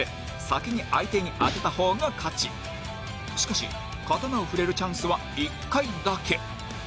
しかし刀を振れるチャンスは１回だけ